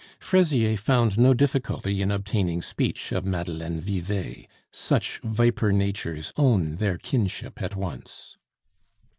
Fraisier found no difficulty in obtaining speech of Madeleine Vivet; such viper natures own their kinship at once.